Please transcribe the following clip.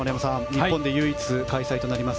日本で唯一開催となります